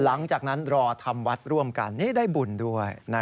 หลังจากนั้นรอทำวัดร่วมกันนี่ได้บุญด้วย